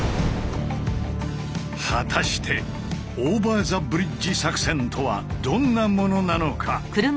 果たして「オーバー・ザ・ブリッジ作戦」とはどんなものなのか？